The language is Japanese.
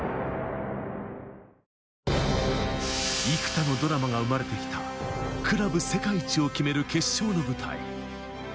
幾多のドラマが生まれてきたクラブ世界一を決める決勝の舞台。